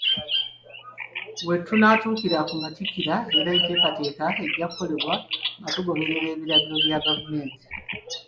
We tunaatuukira ku Matikkira era enteekateeka ejja kukolebwa nga tugoberera ebiragiro bya gavumenti.